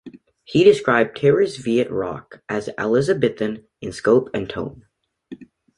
He described Terry's "Viet Rock" as "Elizabethan in scope and tone.